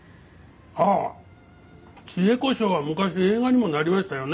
ああ『智恵子抄』は昔映画にもなりましたよね